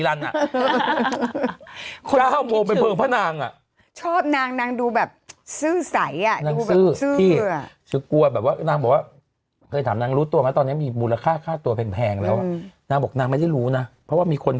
เราต้องไปด้วยกันหมดนี่แหละแต่เอาจริง